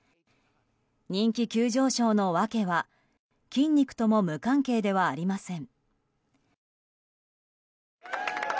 人気急上昇の訳は筋肉とも無関係ではありません。